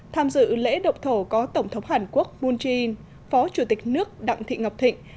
tham dự lễ động thổ có tổng thống hàn quốc moon jae in phó chủ tịch nước đặng thị ngọc thịnh